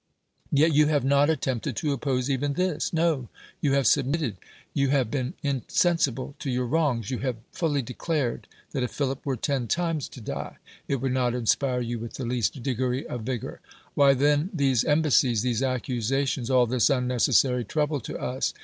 Yet you have not attempted to oppose even this. No ; you have submitted ; you 130 DEMOSTHENES have been insensible to yoiii v.roni^^s; you ha\e fully declared that if Philip \vere ten times to (lie. it would not inspire you Avith the hast degree of vigor. AVhy. then, th;'se embassies, these accusations, all tliis unnecessary trouble to us?""